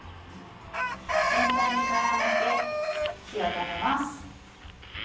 全体に絡めて火を止めます。